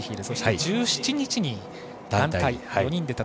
そして、１７日に団体。